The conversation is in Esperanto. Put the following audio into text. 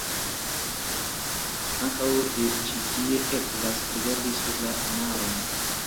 Ankaŭ de ĉi-tie eblas rigardi sur la maron.